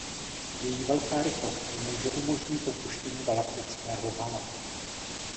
Její velká rychlost jí může umožnit opuštění galaktického hala.